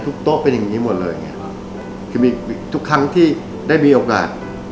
โต๊ะเป็นอย่างงี้หมดเลยไงคือมีทุกครั้งที่ได้มีโอกาส